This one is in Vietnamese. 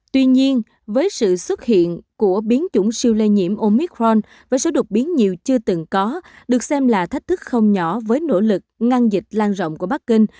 tuy nhiên với sự xuất hiện của biến chủng siêu lây nhiễm omicron với số đột biến nhiều chưa từng có được xem là thách thức không nhỏ với nỗ lực ngăn dịch lan rộng của bắc kinh